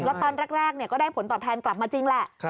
แล้วตอนแรกก็ได้ผลตอบแทนกลับมาจริงแหละ